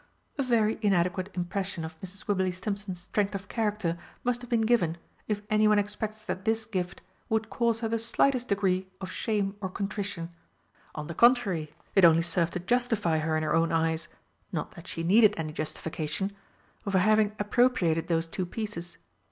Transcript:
A very inadequate impression of Mrs. Wibberley Stimpson's strength of character must have been given if anyone expects that this gift would cause her the slightest degree of shame or contrition; on the contrary, it only served to justify her in her own eyes not that she needed any justification for having appropriated those two pieces.